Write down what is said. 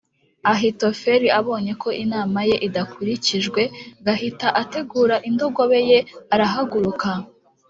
Ahitofeli abonye ko inama ye idakurikijwe g ahita ategura indogobe ye arahaguruka